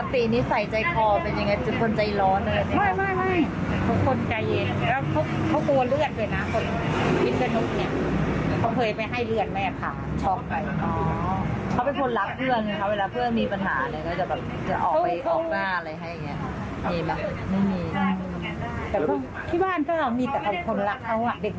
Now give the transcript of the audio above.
ที่บ้านก็มีแต่คนรักเขาเด็กเดินน่ะ